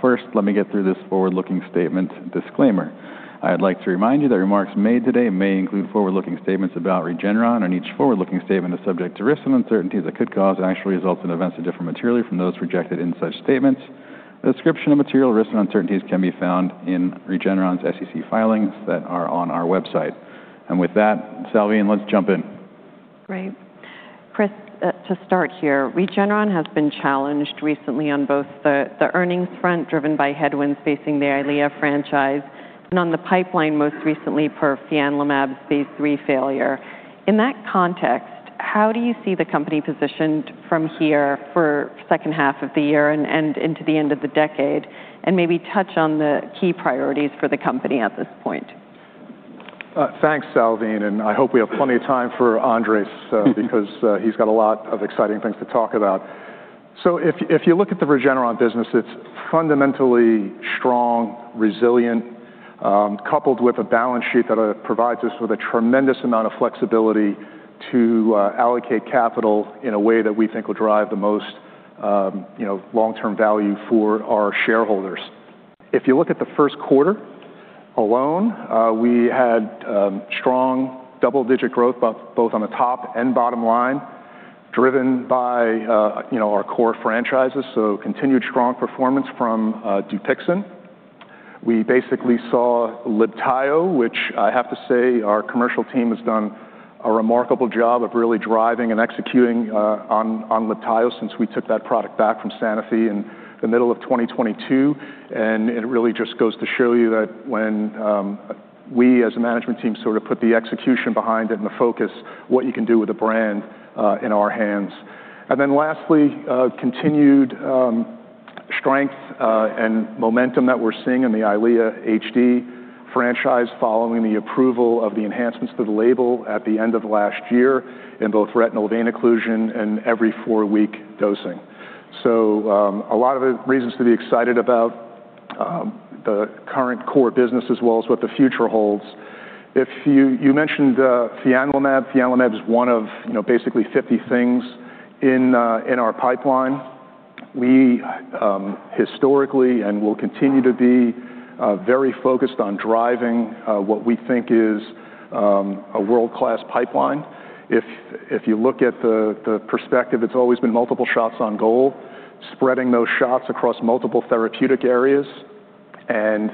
First, let me get through this forward-looking statement disclaimer. I'd like to remind you that remarks made today may include forward-looking statements about Regeneron, and each forward-looking statement is subject to risks and uncertainties that could cause actual results and events to differ materially from those projected in such statements. A description of material risks and uncertainties can be found in Regeneron's SEC filings that are on our website. With that, Salveen, let's jump in. Great. Chris, to start here, Regeneron has been challenged recently on both the earnings front, driven by headwinds facing the EYLEA franchise, and on the pipeline, most recently per fianlimab's phase III failure. In that context, how do you see the company positioned from here for second half of the year and into the end of the decade? Maybe touch on the key priorities for the company at this point. Thanks, Salveen, I hope we have plenty of time for Andrés, because he's got a lot of exciting things to talk about. If you look at the Regeneron business, it's fundamentally strong, resilient, coupled with a balance sheet that provides us with a tremendous amount of flexibility to allocate capital in a way that we think will drive the most long-term value for our shareholders. If you look at the first quarter alone, we had strong double-digit growth both on the top and bottom line, driven by our core franchises, so continued strong performance from DUPIXENT. We basically saw LIBTAYO, which I have to say our commercial team has done a remarkable job of really driving and executing on LIBTAYO since we took that product back from Sanofi in the middle of 2022. It really just goes to show you that when we as a management team sort of put the execution behind it and the focus, what you can do with a brand in our hands. Lastly, continued strength and momentum that we're seeing in the EYLEA HD franchise following the approval of the enhancements to the label at the end of last year in both retinal vein occlusion and every four-week dosing. A lot of reasons to be excited about the current core business as well as what the future holds. You mentioned fianlimab. fianlimab is one of basically 50 things in our pipeline. We historically, and will continue to be very focused on driving what we think is a world-class pipeline. If you look at the perspective, it's always been multiple shots on goal, spreading those shots across multiple therapeutic areas, and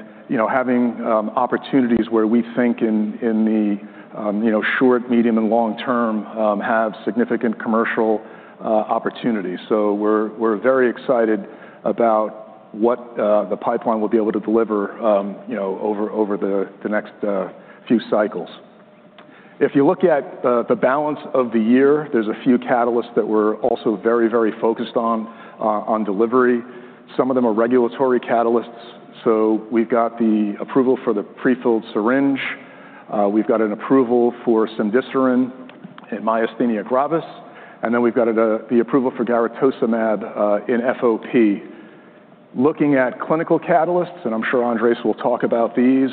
having opportunities where we think in the short, medium, and long term have significant commercial opportunities. We're very excited about what the pipeline will be able to deliver over the next few cycles. If you look at the balance of the year, there's a few catalysts that we're also very focused on delivery. Some of them are regulatory catalysts. We've got the approval for the prefilled syringe, we've got an approval for cemdisiran in myasthenia gravis, and then we've got the approval for garetosmab in FOP. Looking at clinical catalysts, and I'm sure Andrés will talk about these,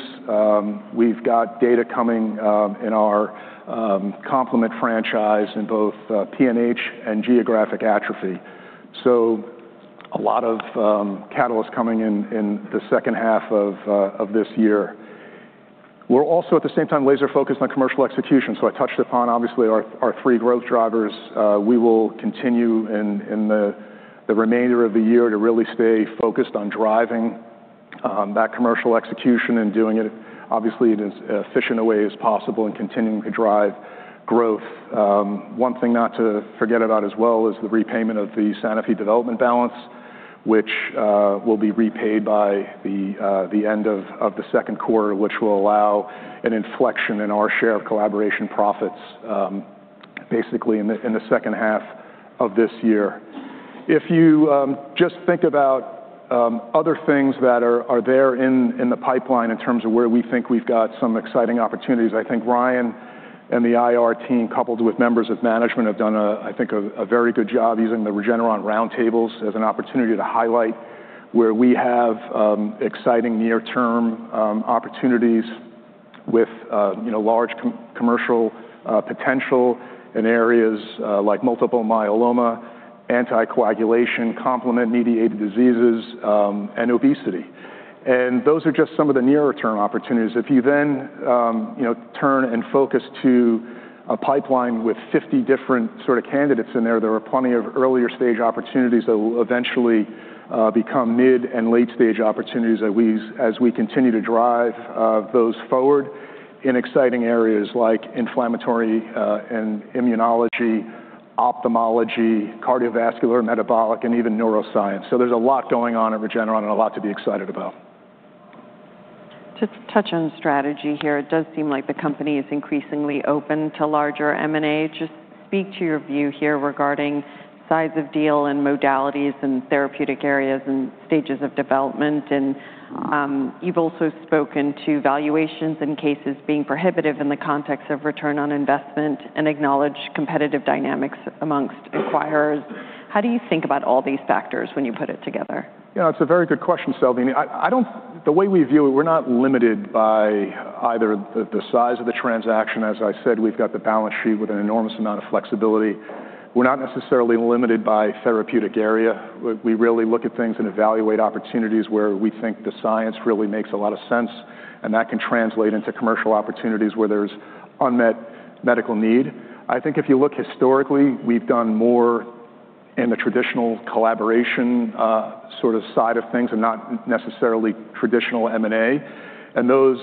we've got data coming in our complement franchise in both PNH and geographic atrophy. A lot of catalysts coming in the second half of this year. We're also at the same time laser-focused on commercial execution. I touched upon obviously our three growth drivers. We will continue in the remainder of the year to really stay focused on driving that commercial execution and doing it obviously in as efficient a way as possible and continuing to drive growth. One thing not to forget about as well is the repayment of the Sanofi development balance, which will be repaid by the end of the second quarter, which will allow an inflection in our share of collaboration profits basically in the second half of this year. If you just think about other things that are there in the pipeline in terms of where we think we've got some exciting opportunities, I think Ryan and the IR team, coupled with members of management, have done, I think, a very good job using the Regeneron Roundtables as an opportunity to highlight where we have exciting near-term opportunities with large commercial potential in areas like multiple myeloma, anticoagulation, complement-mediated diseases, and obesity. Those are just some of the nearer-term opportunities. If you then turn and focus to a pipeline with 50 different sort of candidates in there are plenty of earlier stage opportunities that will eventually become mid and late-stage opportunities as we continue to drive those forward in exciting areas like inflammatory and immunology, ophthalmology, cardiovascular, metabolic, and even neuroscience. There's a lot going on at Regeneron and a lot to be excited about. To touch on strategy here, it does seem like the company is increasingly open to larger M&A. Just speak to your view here regarding size of deal and modalities and therapeutic areas and stages of development. You've also spoken to valuations and cases being prohibitive in the context of return on investment and acknowledge competitive dynamics amongst acquirers. How do you think about all these factors when you put it together? It's a very good question, Salveen. The way we view it, we're not limited by either the size of the transaction, as I said, we've got the balance sheet with an enormous amount of flexibility. We're not necessarily limited by therapeutic area. We really look at things and evaluate opportunities where we think the science really makes a lot of sense, and that can translate into commercial opportunities where there's unmet medical need. I think if you look historically, we've done more in the traditional collaboration side of things and not necessarily traditional M&A. Those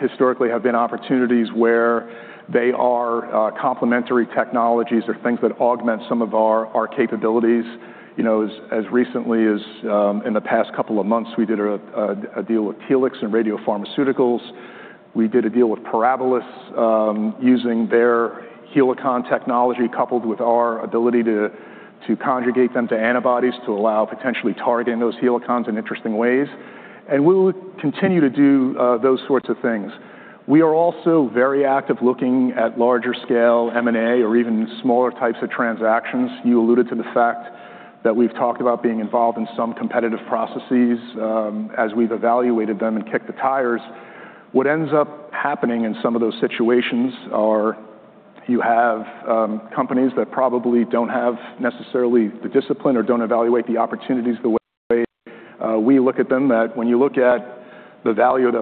historically have been opportunities where they are complementary technologies or things that augment some of our capabilities. As recently as in the past couple of months, we did a deal with Telix in radiopharmaceuticals. We did a deal with Parabilis, using their Helicon technology coupled with our ability to conjugate them to antibodies to allow potentially targeting those Helicons in interesting ways. We will continue to do those sorts of things. We are also very active looking at larger scale M&A or even smaller types of transactions. You alluded to the fact that we've talked about being involved in some competitive processes as we've evaluated them and kicked the tires. What ends up happening in some of those situations are you have companies that probably don't have necessarily the discipline or don't evaluate the opportunities the way we look at them, that when you look at the value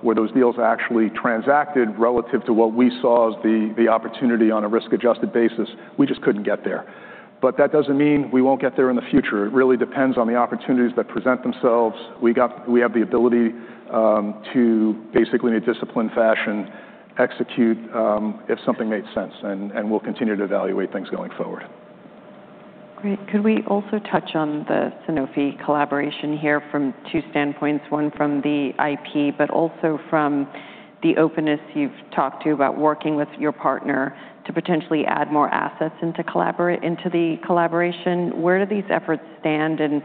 where those deals actually transacted relative to what we saw as the opportunity on a risk-adjusted basis, we just couldn't get there. That doesn't mean we won't get there in the future. It really depends on the opportunities that present themselves. We have the ability to basically, in a disciplined fashion, execute if something made sense, and we'll continue to evaluate things going forward. Great. Could we also touch on the Sanofi collaboration here from two standpoints, one from the IP, but also from the openness you've talked to about working with your partner to potentially add more assets into the collaboration? Where do these efforts stand, and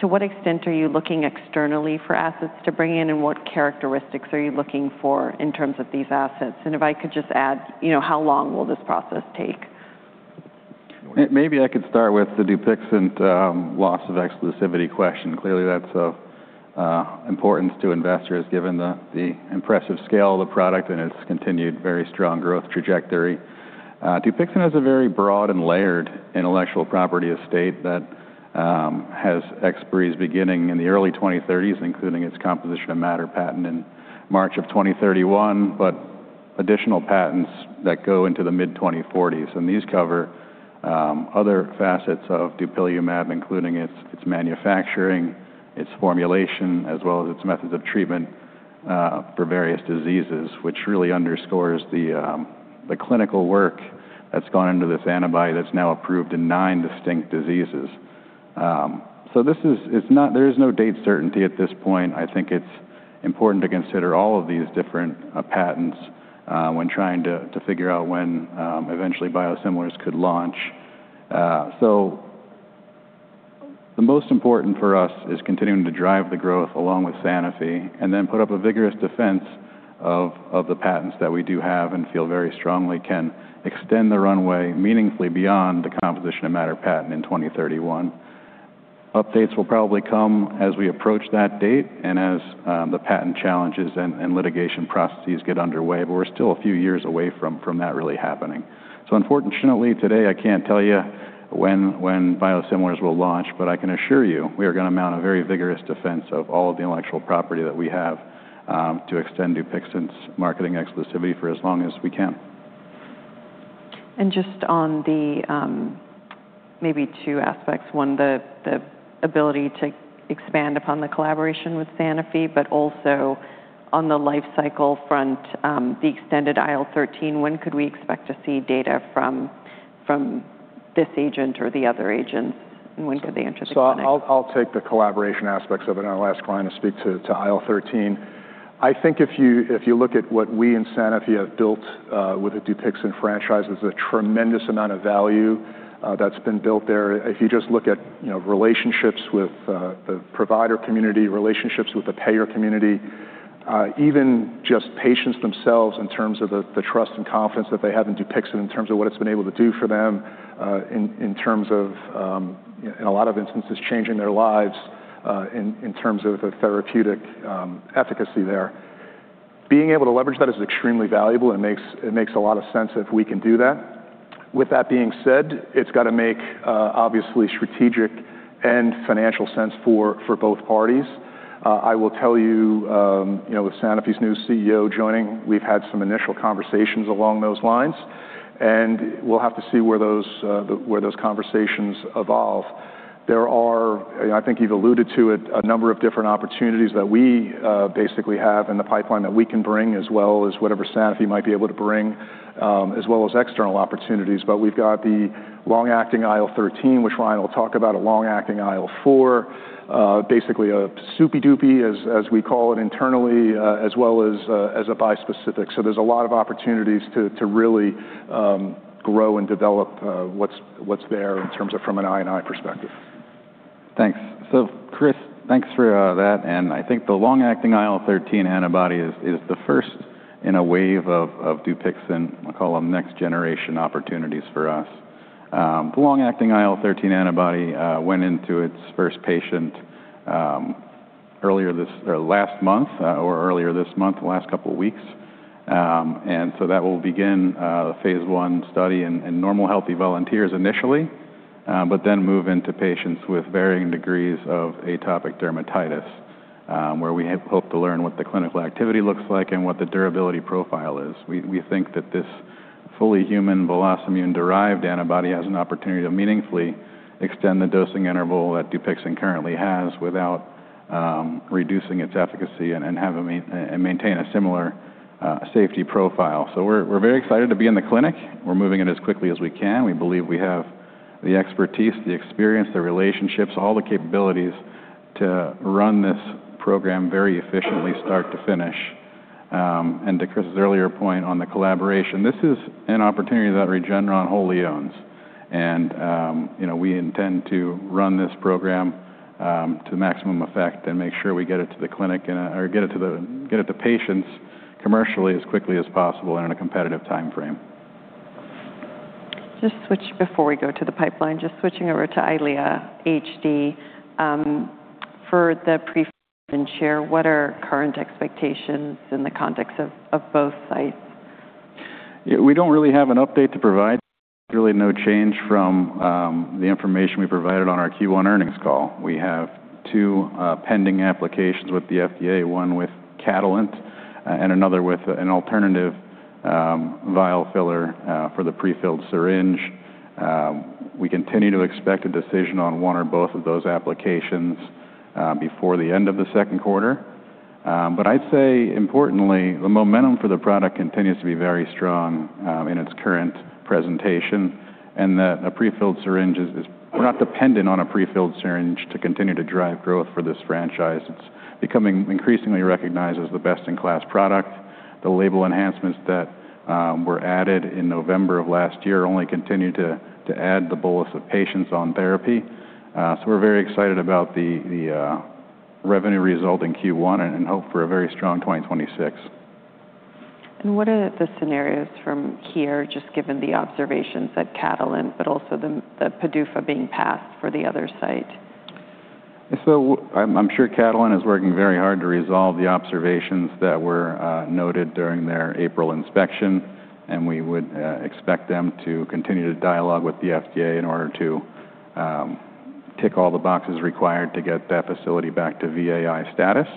to what extent are you looking externally for assets to bring in, and what characteristics are you looking for in terms of these assets? If I could just add, how long will this process take? Maybe I could start with the DUPIXENT loss of exclusivity question. Clearly, that's of importance to investors given the impressive scale of the product and its continued very strong growth trajectory. DUPIXENT has a very broad and layered intellectual property estate that has expiries beginning in the early 2030s, including its composition of matter patent in March of 2031, but additional patents that go into the mid-2040s. These cover other facets of dupilumab, including its manufacturing, its formulation, as well as its methods of treatment for various diseases, which really underscores the clinical work that's gone into this antibody that's now approved in nine distinct diseases. There is no date certainty at this point. I think it's important to consider all of these different patents when trying to figure out when eventually biosimilars could launch. The most important for us is continuing to drive the growth along with Sanofi and then put up a vigorous defense of the patents that we do have and feel very strongly can extend the runway meaningfully beyond the composition of matter patent in 2031. Updates will probably come as we approach that date and as the patent challenges and litigation processes get underway, but we're still a few years away from that really happening. Unfortunately, today, I can't tell you when biosimilars will launch, but I can assure you we are going to mount a very vigorous defense of all of the intellectual property that we have to extend DUPIXENT's marketing exclusivity for as long as we can. Just on the maybe two aspects, one, the ability to expand upon the collaboration with Sanofi, but also on the life cycle front, the extended IL-13, when could we expect to see data from this agent or the other agent, and when could they enter the clinic? I'll take the collaboration aspects of it, and I'll ask Ryan to speak to IL-13. I think if you look at what we and Sanofi have built with the DUPIXENT franchise, there's a tremendous amount of value that's been built there. If you just look at relationships with the provider community, relationships with the payer community, even just patients themselves in terms of the trust and confidence that they have in DUPIXENT, in terms of what it's been able to do for them, in a lot of instances, changing their lives in terms of the therapeutic efficacy there. Being able to leverage that is extremely valuable, and it makes a lot of sense if we can do that. With that being said, it's got to make, obviously, strategic and financial sense for both parties. I will tell you, with Sanofi's new CEO joining, we've had some initial conversations along those lines, and we'll have to see where those conversations evolve. There are, I think you've alluded to it, a number of different opportunities that we basically have in the pipeline that we can bring, as well as whatever Sanofi might be able to bring, as well as external opportunities. We've got the long-acting IL-13, which Ryan will talk about, a long-acting IL-4, basically a super-duper, as we call it internally, as well as a bispecific. There's a lot of opportunities to really grow and develop what's there in terms of from an I&I perspective. Chris, thanks for that, and I think the long-acting IL-13 antibody is the first in a wave of DUPIXENT, I call them next-generation opportunities for us. The long-acting IL-13 antibody went into its first patient earlier last month or earlier this month, the last couple of weeks. That will begin a phase I study in normal, healthy volunteers initially, but then move into patients with varying degrees of atopic dermatitis, where we hope to learn what the clinical activity looks like and what the durability profile is. We think that this fully human VelocImmune-derived antibody has an opportunity to meaningfully extend the dosing interval that DUPIXENT currently has without reducing its efficacy and maintain a similar safety profile. We're very excited to be in the clinic. We're moving it as quickly as we can. We believe we have the expertise, the experience, the relationships, all the capabilities to run this program very efficiently start to finish. To Chris's earlier point on the collaboration, this is an opportunity that Regeneron wholly owns, and we intend to run this program to maximum effect and make sure we get it to the clinic or get it to patients commercially as quickly as possible and in a competitive timeframe. Just switch before we go to the pipeline, just switching over to EYLEA HD. For the prefilled syringe, what are current expectations in the context of both sites? We don't really have an update to provide. There's really no change from the information we provided on our Q1 earnings call. We have two pending applications with the FDA, one with Catalent and another with an alternative vial filler for the prefilled syringe. We continue to expect a decision on one or both of those applications before the end of the second quarter. Importantly, the momentum for the product continues to be very strong in its current presentation, and that we're not dependent on a prefilled syringe to continue to drive growth for this franchise. It's becoming increasingly recognized as the best-in-class product. The label enhancements that were added in November of last year only continue to add the bolus of patients on therapy. We're very excited about the revenue result in Q1 and hope for a very strong 2026. What are the scenarios from here, just given the observations at Catalent, but also the PDUFA being passed for the other site? I'm sure Catalent is working very hard to resolve the observations that were noted during their April inspection, and we would expect them to continue to dialogue with the FDA in order to tick all the boxes required to get that facility back to VAI status.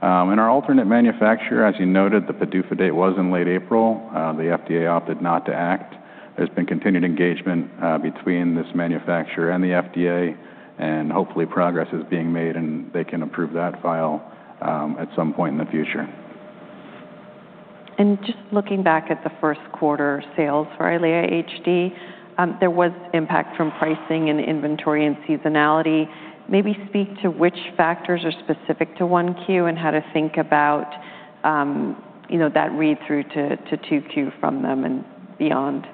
Our alternate manufacturer, as you noted, the PDUFA date was in late April. The FDA opted not to act. There's been continued engagement between this manufacturer and the FDA, and hopefully progress is being made, and they can approve that file at some point in the future. Just looking back at the first quarter sales for EYLEA HD, there was impact from pricing and inventory and seasonality. Maybe speak to which factors are specific to 1Q and how to think about that read-through to 2Q from them and beyond.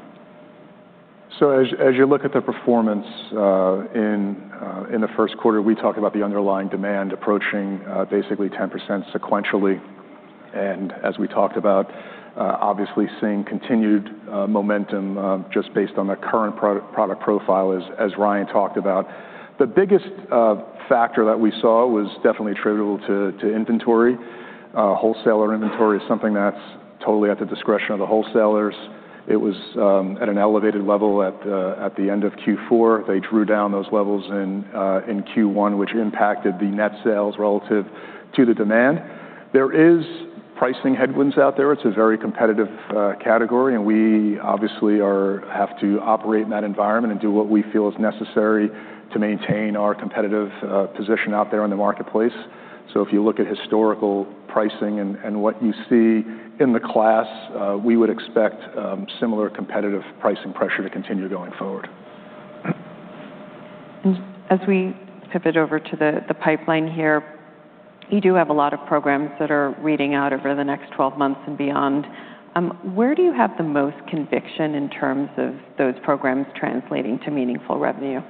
As you look at the performance in the first quarter, we talk about the underlying demand approaching basically 10% sequentially. As we talked about, obviously seeing continued momentum just based on the current product profile, as Ryan talked about. The biggest factor that we saw was definitely attributable to inventory. Wholesaler inventory is something that's totally at the discretion of the wholesalers. It was at an elevated level at the end of Q4. They drew down those levels in Q1, which impacted the net sales relative to the demand. There is pricing headwinds out there. It's a very competitive category, and we obviously have to operate in that environment and do what we feel is necessary to maintain our competitive position out there in the marketplace. If you look at historical pricing and what you see in the class, we would expect similar competitive pricing pressure to continue going forward. As we pivot over to the pipeline here, you do have a lot of programs that are reading out over the next 12 months and beyond. Where do you have the most conviction in terms of those programs translating to meaningful revenue?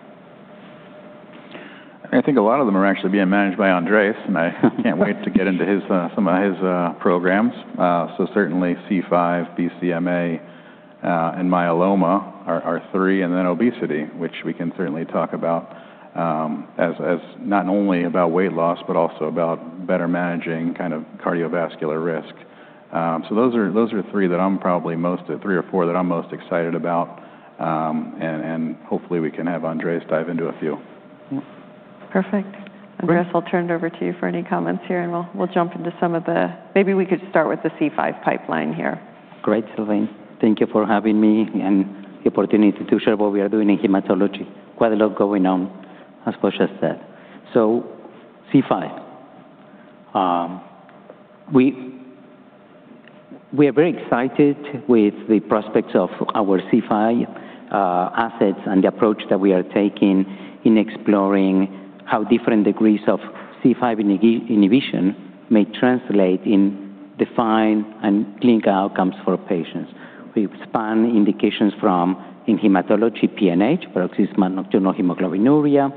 I think a lot of them are actually being managed by Andrés, and I can't wait to get into some of his programs. Certainly C5, BCMA, and myeloma are three, and then obesity, which we can certainly talk about as not only about weight loss, but also about better managing cardiovascular risk. Those are three or four that I'm most excited about, and hopefully we can have Andrés dive into a few. Perfect. Andrés, I'll turn it over to you for any comments here. Maybe we could start with the C5 pipeline here. Great, Salveen. Thank you for having me and the opportunity to share what we are doing in hematology. Quite a lot going on, as Chris has said. C5. We are very excited with the prospects of our C5 assets and the approach that we are taking in exploring how different degrees of C5 inhibition may translate in defined and clinical outcomes for patients. We expand indications from, in hematology, PNH, paroxysmal nocturnal hemoglobinuria,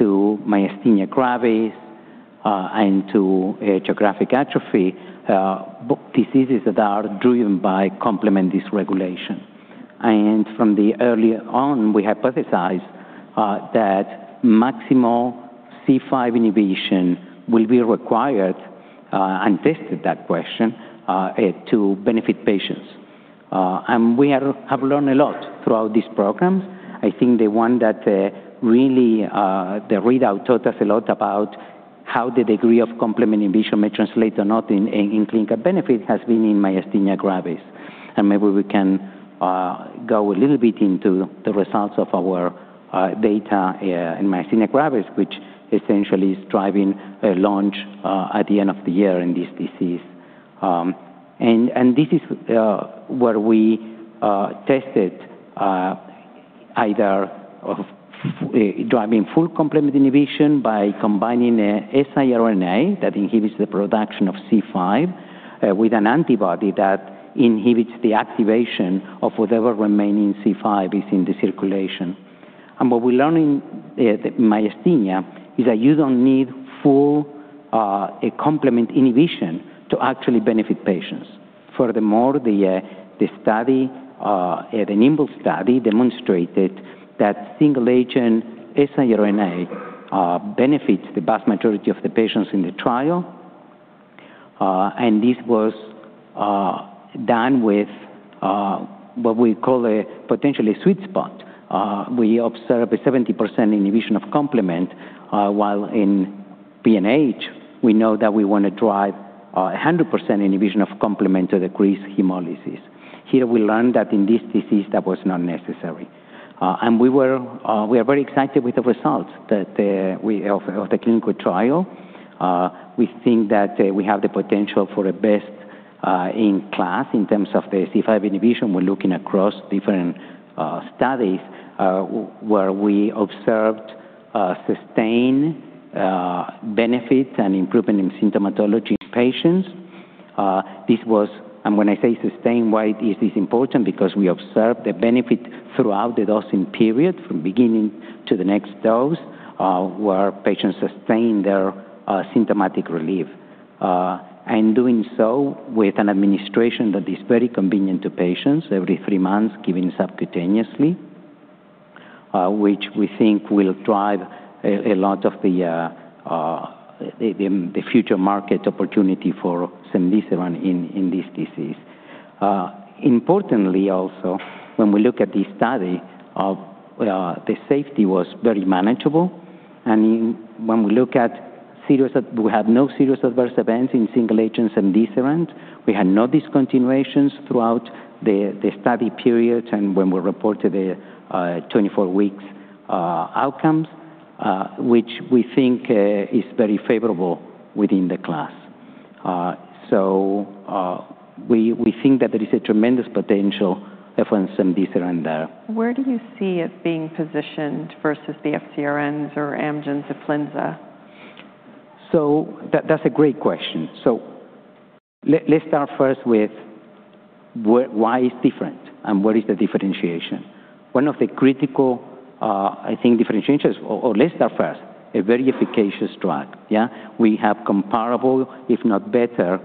to myasthenia gravis, and to geographic atrophy, diseases that are driven by complement dysregulation. From early on, we hypothesized that maximal C5 inhibition will be required, and tested that question, to benefit patients. We have learned a lot throughout these programs. I think the one that really, the readout taught us a lot about how the degree of complement inhibition may translate or not in clinical benefit has been in myasthenia gravis. Maybe we can go a little bit into the results of our data in myasthenia gravis, which essentially is driving a launch at the end of the year in this disease. This is where we tested either driving full complement inhibition by combining an siRNA that inhibits the production of C5 with an antibody that inhibits the activation of whatever remaining C5 is in the circulation. What we learn in myasthenia is that you don't need full complement inhibition to actually benefit patients. Furthermore, the NIMBLE study demonstrated that single-agent siRNA benefits the vast majority of the patients in the trial. This was done with what we call a potentially sweet spot. We observe a 70% inhibition of complement, while in PNH, we know that we want to drive 100% inhibition of complement to decrease hemolysis. Here we learned that in this disease, that was not necessary. We are very excited with the results of the clinical trial. We think that we have the potential for a best-in-class in terms of the C5 inhibition. We're looking across different studies, where we observed sustained benefit and improvement in symptomatology in patients. When I say sustained, why is this important? Because we observed the benefit throughout the dosing period, from beginning to the next dose, where patients sustained their symptomatic relief. Doing so with an administration that is very convenient to patients, every three months, given subcutaneously, which we think will drive a lot of the future market opportunity for cemdisiran in this disease. Importantly also, when we look at the study, the safety was very manageable. We had no serious adverse events in single-agent cemdisiran. We had no discontinuations throughout the study period when we reported the 24 weeks outcomes, which we think is very favorable within the class. We think that there is a tremendous potential for cemdisiran there. Where do you see it being positioned versus the FcRns or Amgen's UPLIZNA? That's a great question. Let's start first with why it's different and what is the differentiation. One of the critical, I think differentiators, or let's start first, a very efficacious drug. We have comparable, if not better,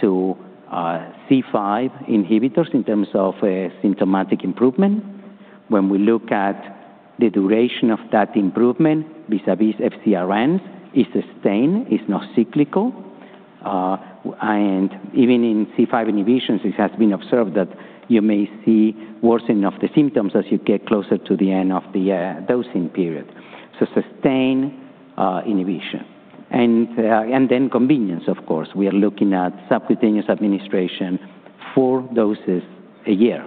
to C5 inhibitors in terms of symptomatic improvement. When we look at the duration of that improvement vis-a-vis FcRns, it's sustained, it's not cyclical. Even in C5 inhibitions, it has been observed that you may see worsening of the symptoms as you get closer to the end of the dosing period. Sustained inhibition. Then convenience, of course. We are looking at subcutaneous administration, four doses a year,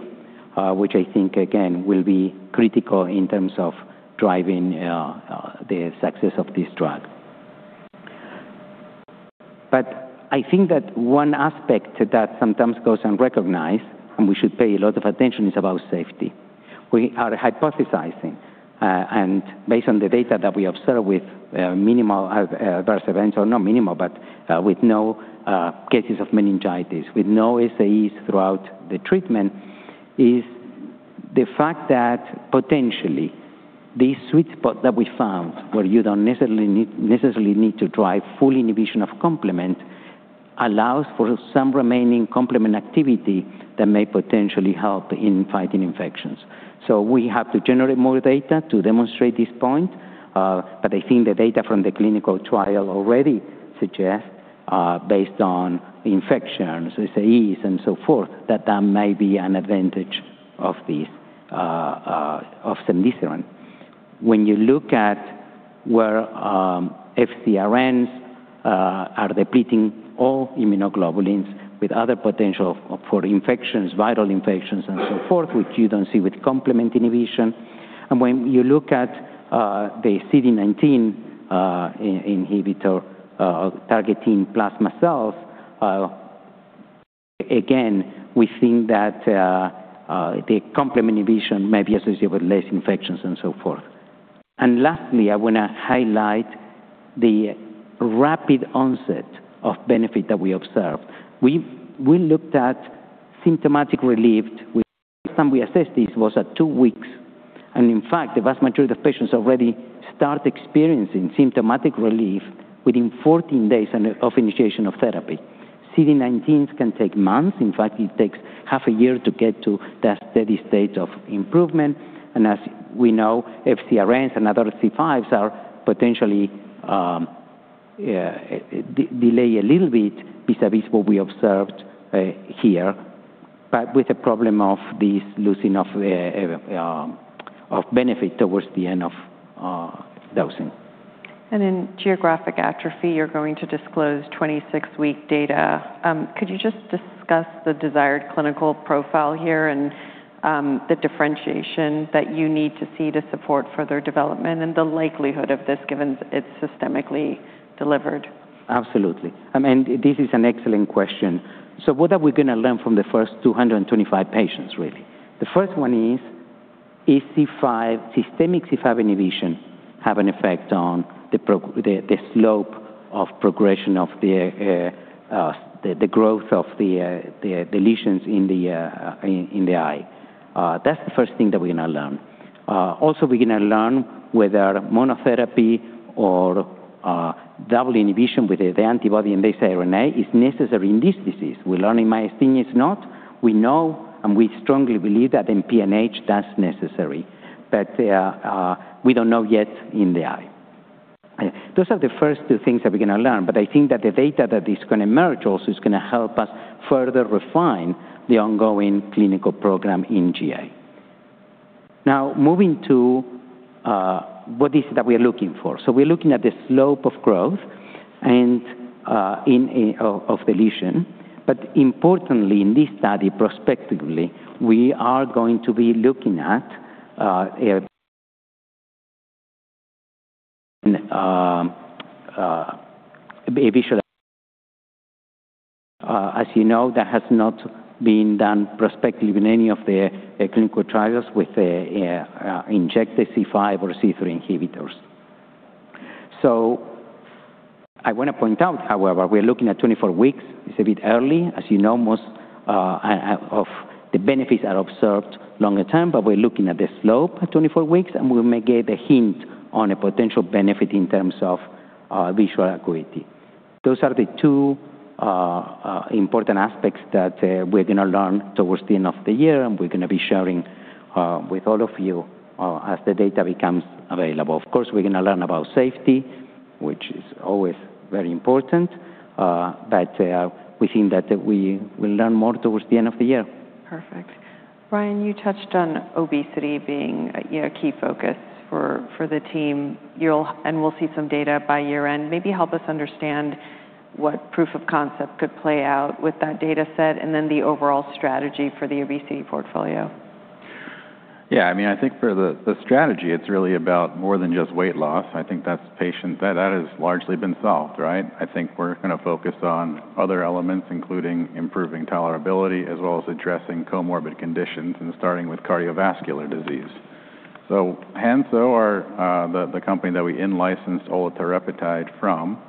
which I think, again, will be critical in terms of driving the success of this drug. I think that one aspect that sometimes goes unrecognized, and we should pay a lot of attention, is about safety. We are hypothesizing, based on the data that we observe with minimal adverse events, or not minimal, but with no cases of meningitis, with no SAEs throughout the treatment, is the fact that potentially, this sweet spot that we found, where you don't necessarily need to drive full inhibition of complement, allows for some remaining complement activity that may potentially help in fighting infections. We have to generate more data to demonstrate this point, I think the data from the clinical trial already suggest, based on infections, SAEs, and so forth, that that may be an advantage of cemdisiran. When you look at where FcRns are depleting all immunoglobulins with other potential for infections, viral infections, and so forth, which you don't see with complement inhibition. When you look at the CD19 inhibitor targeting plasma cells, again, we think that the complement inhibition may be associated with less infections and so forth. Lastly, I want to highlight the rapid onset of benefit that we observed. We looked at symptomatic relief. The first time we assessed this was at two weeks. In fact, the vast majority of patients already start experiencing symptomatic relief within 14 days of initiation of therapy. CD19s can take months. In fact, it takes half a year to get to that steady state of improvement. As we know, FcRns and other C5s potentially delay a little bit vis-à-vis what we observed here, but with the problem of this losing of benefit towards the end of dosing. In geographic atrophy, you're going to disclose 26-week data. Could you just discuss the desired clinical profile here and the differentiation that you need to see to support further development and the likelihood of this given it's systemically delivered? Absolutely. This is an excellent question. What are we going to learn from the first 225 patients, really? The first one is systemic C5 inhibition have an effect on the slope of progression of the growth of the lesions in the eye? That's the first thing that we're going to learn. Also, we're going to learn whether monotherapy or double inhibition with the antibody and the siRNA is necessary in this disease. We're learning myasthenia it's not. We know and we strongly believe that in PNH, that's necessary, but we don't know yet in the eye. Those are the first two things that we're going to learn, I think that the data that is going to emerge also is going to help us further refine the ongoing clinical program in GA. Moving to what is it that we are looking for. We're looking at the slope of growth of the lesion, importantly in this study, prospectively, we are going to be looking at visual. As you know, that has not been done prospective in any of the clinical trials with injected C5 or C3 inhibitors. I want to point out, however, we are looking at 24 weeks. It's a bit early. As you know, most of the benefits are observed longer term, we're looking at the slope at 24 weeks, and we may get a hint on a potential benefit in terms of visual acuity. Those are the two important aspects that we're going to learn towards the end of the year, we're going to be sharing with all of you as the data becomes available. We're going to learn about safety, which is always very important, but we think that we will learn more towards the end of the year. Perfect. Ryan, you touched on obesity being a key focus for the team. We'll see some data by year-end. Maybe help us understand what proof of concept could play out with that data set, and then the overall strategy for the obesity portfolio. I think for the strategy, it's really about more than just weight loss. I think that has largely been solved, right? I think we're going to focus on other elements, including improving tolerability, as well as addressing comorbid conditions, and starting with cardiovascular disease. Hansoh, the company that we in-licensed olatorepatide from,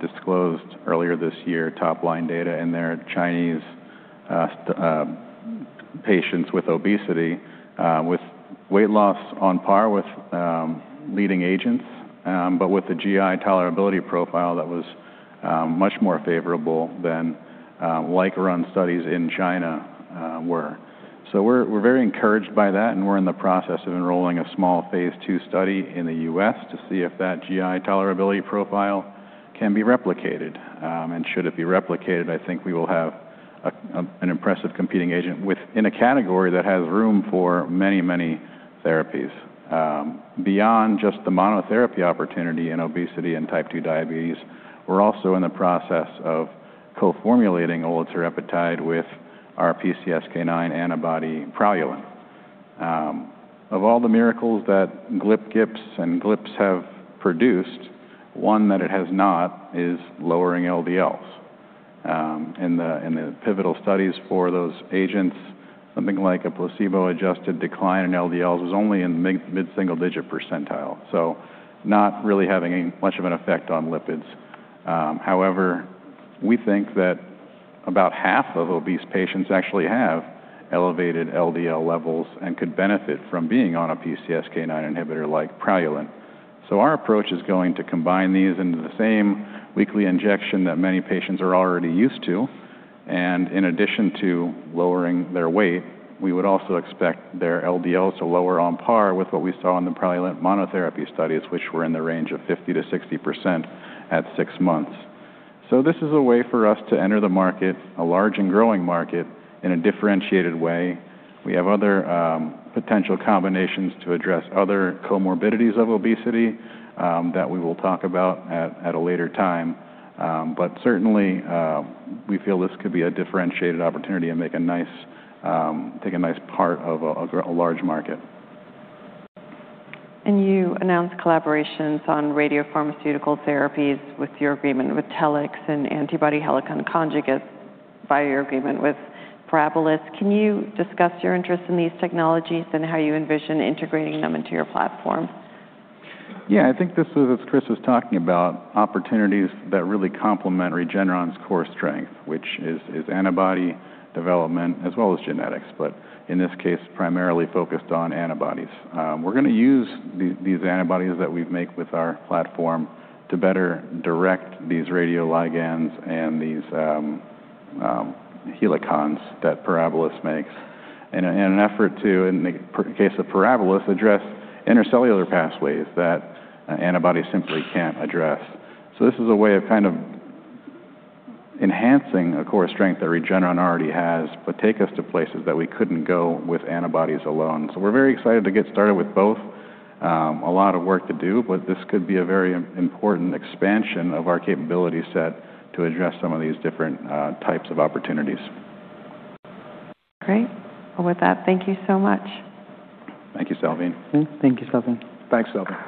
disclosed earlier this year top-line data in their Chinese patients with obesity, with weight loss on par with leading agents, but with a GI tolerability profile that was much more favorable than like run studies in China were. We're very encouraged by that, and we're in the process of enrolling a small phase II study in the U.S. to see if that GI tolerability profile can be replicated. Should it be replicated, I think we will have an impressive competing agent within a category that has room for many, many therapies. Beyond just the monotherapy opportunity in obesity and type 2 diabetes, we're also in the process of co-formulating olatorepatide with our PCSK9 antibody Praluent. Of all the miracles that GLP, GIPs, and GLPs have produced, one that it has not is lowering LDLs. In the pivotal studies for those agents, something like a placebo-adjusted decline in LDLs was only in mid-single digit percentile, so not really having much of an effect on lipids. However, we think that about half of obese patients actually have elevated LDL levels and could benefit from being on a PCSK9 inhibitor like Praluent. Our approach is going to combine these into the same weekly injection that many patients are already used to, and in addition to lowering their weight, we would also expect their LDLs to lower on par with what we saw in the Praluent monotherapy studies, which were in the range of 50%-60% at six months. This is a way for us to enter the market, a large and growing market, in a differentiated way. We have other potential combinations to address other comorbidities of obesity that we will talk about at a later time. Certainly, we feel this could be a differentiated opportunity and take a nice part of a large market. You announced collaborations on radiopharmaceutical therapies with your agreement with Telix, and antibody Helicon conjugates via your agreement with Parabilis. Can you discuss your interest in these technologies and how you envision integrating them into your platform? I think this is, as Chris was talking about, opportunities that really complement Regeneron's core strength, which is antibody development as well as genetics, but in this case, primarily focused on antibodies. We're going to use these antibodies that we make with our platform to better direct these radioligands and these Helicons that Parabilis makes in an effort to, in the case of Parabilis, address intercellular pathways that antibodies simply can't address. This is a way of kind of enhancing a core strength that Regeneron already has, but take us to places that we couldn't go with antibodies alone. We're very excited to get started with both. A lot of work to do, but this could be a very important expansion of our capability set to address some of these different types of opportunities. Great. With that, thank you so much. Thank you, Salveen. Thank you, Salveen. Thanks, Salveen.